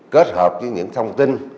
kết hợp với những thông tin